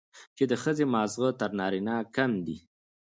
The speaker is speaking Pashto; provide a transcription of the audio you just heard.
چې د ښځې ماغزه تر نارينه کم دي،